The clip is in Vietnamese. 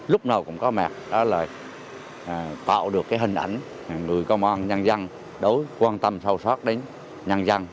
lúc nào cũng có mẹ đó là tạo được cái hình ảnh người công an nhân dân đối quan tâm sâu soát đến nhân dân